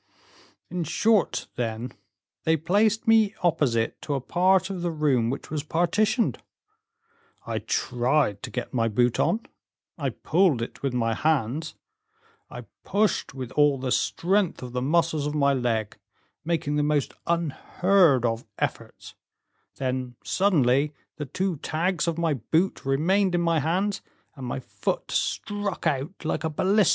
"In short, then, they placed me opposite to a part of the room which was partitioned; I tried to get my boot on; I pulled it with my hands, I pushed with all the strength of the muscles of my leg, making the most unheard of efforts, when suddenly the two tags of my boot remained in my hands, and my foot struck out like a ballista."